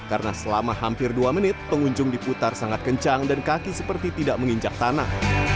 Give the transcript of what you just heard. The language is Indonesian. karena selama hampir dua menit pengunjung diputar sangat kencang dan kaki seperti tidak menginjak tanah